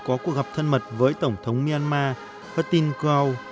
có cuộc gặp thân mật với tổng thống myanmar hertin keo